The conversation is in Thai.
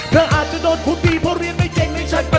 คาแรกเตอร์คุณไม่น่าส่งจริงโชคเลยค่ะ